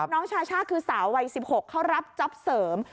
น้องชาช่าคือสาววัย๑๖เขารับจ๊อปเสริม